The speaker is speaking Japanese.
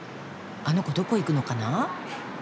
あの子どこ行くのかな？